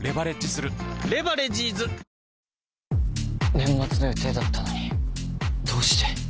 年末の予定だったのにどうして。